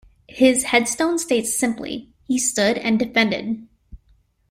His headstone states simply:He stood and defended.